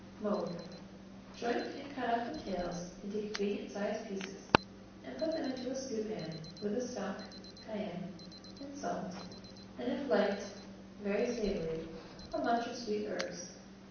Mode. Joint and cut up the tails into convenient sized pieces, and put them into a stewpan, with the stock, cayenne, and salt, and, if liked very savoury, a bunch of sweet herbs.